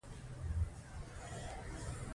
کار و اهل کار ته وسپارئ